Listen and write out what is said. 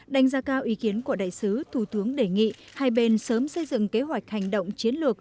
đánh giá cao ý kiến của đại sứ thủ tướng đề nghị hai bên sớm xây dựng kế hoạch hành động chiến lược